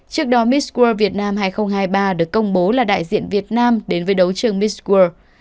trước đó miss world việt nam hai nghìn hai mươi ba được công bố là đại diện việt nam đến với đấu trường miss world